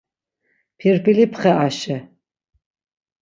Pirpilipxe Aşe.